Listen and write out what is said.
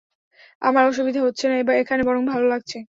আমার অসুবিধা হচ্ছে না, এখানেই বরং ভালো লাগছে।